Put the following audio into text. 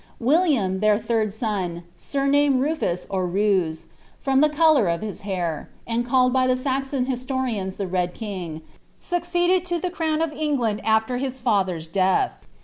William, their third son, surnamed Rufus or Rous,' from the colour of Ills liair, and called by die Saxon historians the ^ Red King,'' succeeded to the crown of England after his father's death.